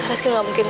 aku murah kan